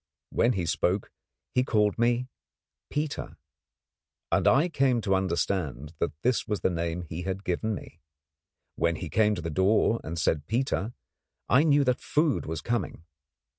Whenever he spoke he called me 'Peter,' and I came to understand that this was the name he had given me. When he came to the door and said 'Peter,' I knew that food was coming.